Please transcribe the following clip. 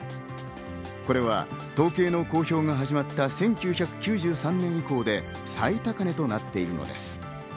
これは統計の公表が始まった１９９３年以降で最高値となっています。